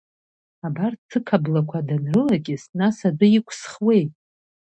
Абарҭ сықаблақәа данрылакьыс, нас адәы иқәсхуеи!